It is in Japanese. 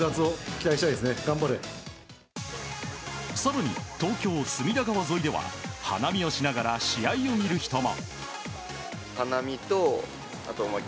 更に東京・隅田川沿いでは花見をしながら試合を見る人も。